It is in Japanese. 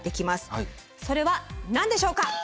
それは何でしょうか？